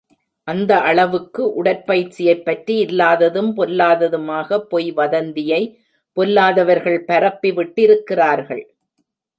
அந்த அளவுக்கு உடற்பயிற்சியைப் பற்றி இல்லாததும் பொல்லாததுமாக, பொய் வதந்தியை பொல்லாதவர்கள் பரப்பி விட்டிருக்கின்றார்கள்.